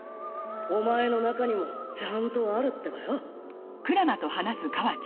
お前の中にもちゃんとあるってばよ。